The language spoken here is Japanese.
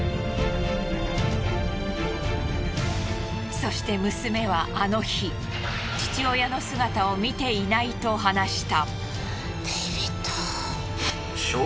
そして娘はあの日父親の姿を見ていないと話した。